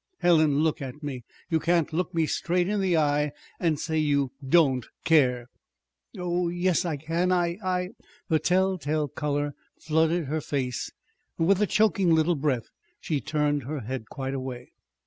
"Helen, look at me. You can't look me straight in the eye and say you don't care!" "Oh, yes, I can. I I " The telltale color flooded her face. With a choking little breath she turned her head quite away.